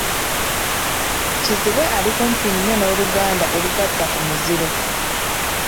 Kizibwe ali kumpi nnyo n'oluganda olugatta ku muziro.